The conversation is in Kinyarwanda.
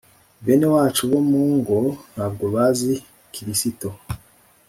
bene wacu bo mu ngo ntabwo bazi krisito